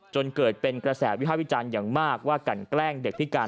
จนเกิดเป็นกระแสวิภาพวิจารณ์อย่างมากว่ากันแกล้งเด็กพิการ